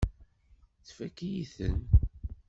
Tfakk-iyi-ten.